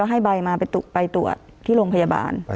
ให้ใบมาไปตรวจที่โรงพยาบาล